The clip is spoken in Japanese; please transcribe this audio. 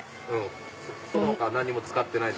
その他は何も使ってないんで。